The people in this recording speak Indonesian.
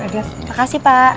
terima kasih pak